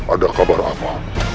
ada kabar apa